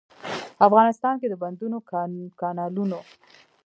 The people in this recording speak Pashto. افغانستان کې د بندونو، کانالونو.